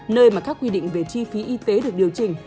nơi mà các quy định về chi phí y tế được điều chỉnh